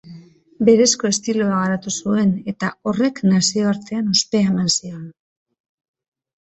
Berezko estiloa garatu zuen eta horrek nazioartean ospea eman zion.